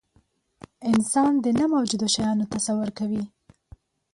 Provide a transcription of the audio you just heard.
انسان د نه موجودو شیانو تصور کوي.